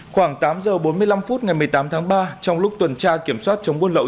khoảng tám giờ bốn mươi năm phút ngày một mươi tám tháng ba trong lúc tuần tra kiểm soát chống buôn lậu